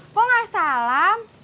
kok gak salam